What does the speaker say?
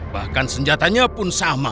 bahkan senjatanya pun sama